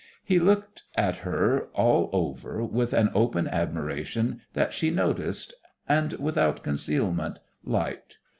He looked at her all over with an open admiration that she noticed and, without concealment, liked.